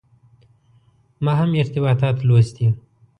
ما هم ارتباطات لوستي.